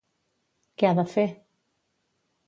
Què ha de fer?